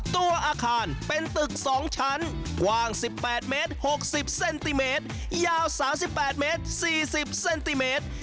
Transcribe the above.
ตัวอาคารเป็นตึก๒ชั้นกว้าง๑๘เมตร๖๐เซนติเมตรยาว๓๘เมตร๔๐เซนติเมตร